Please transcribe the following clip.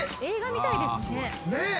映画みたいですね。